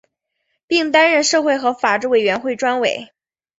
并担任社会和法制委员会专委。